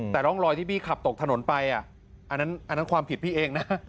แต่ร่องรอยที่พี่ขับตกถนนไปอันนั้นความผิดพี่เองนะ